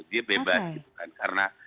dia bebas gitu kan